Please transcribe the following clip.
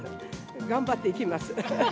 頑張って生きます。